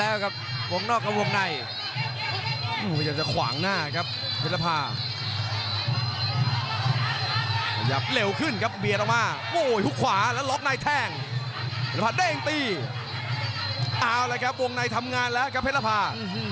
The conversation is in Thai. เอาละครับวงในทำงานแล้วครับเพชรภา